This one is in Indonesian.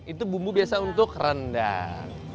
itu bumbu biasa untuk rendang